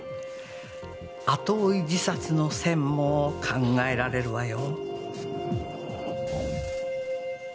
後追い自殺の線も考えられるわよ。